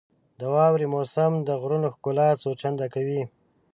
• د واورې موسم د غرونو ښکلا څو چنده کوي.